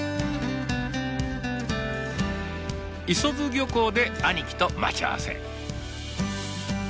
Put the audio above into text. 磯津漁港で兄貴と待ち合わせ。